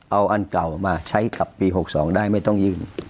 เอาอันเก่ามาใช้กับปี๖๒ได้ไม่ต้องยื่น